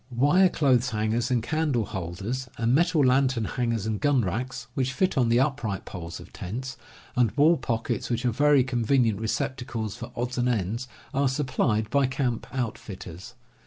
Wire clothes hangers and candle ^* holders, and metal lantern hangers and gun racks, which fit on the upright poles of tents, and wall pockets, which are very convenient receptacles for odds and ends, are supplied by camp outfitters.